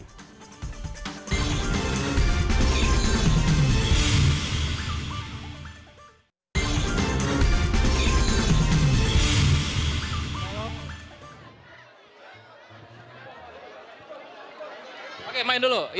oke main dulu